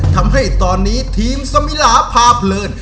ทำให้ตอนนี้ทีมสมิลาพาเพลิน